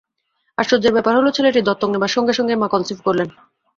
আশ্চর্যের ব্যাপার হল, ছেলেটি দত্তক নেবার সঙ্গে-সঙ্গেই মা কনসিভ করলেন।